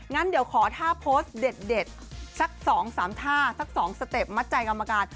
งั้นเดี๋ยวขอท่าโพสต์เด็ดสัก๒๓ท่าสัก๒สเต็ปมัดใจกรรมการ